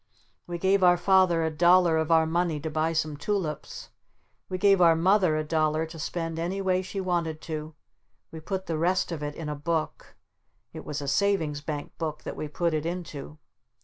We gave our Father a dollar of our money to buy some Tulips. We gave our Mother a dollar to spend any way she wanted to. We put the rest of it in a book. It was a Savings Bank Book that we put it into.